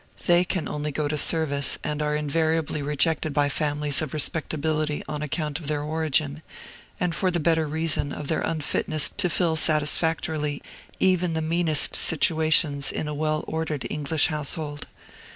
They can only go to service, and are invariably rejected by families of respectability on account of their origin, and for the better reason of their unfitness to fill satisfactorily even the meanest situations in a well ordered English household.